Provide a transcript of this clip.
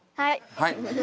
はい。